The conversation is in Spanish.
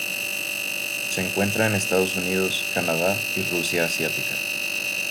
Se encuentra en Estados Unidos, Canadá y Rusia asiática.